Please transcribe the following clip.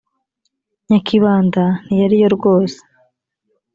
nyakibanda ntiyari yo rwose